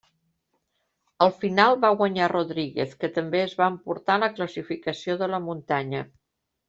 Al final va guanyar Rodríguez, que també es va emportar la classificació de la muntanya.